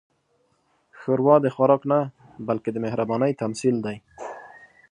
ښوروا د خوراک نه، بلکې د مهربانۍ تمثیل دی.